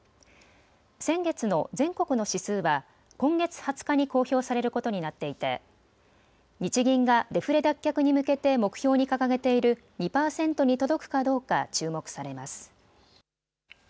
先月の全国の指数は、今月２０日に公表されることになっていて、日銀がデフレ脱却に向けて目標に掲げている２％に届くかどうか注目されます。